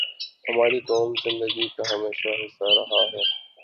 ہماری قومی زندگی کا ہمیشہ حصہ رہا ہے۔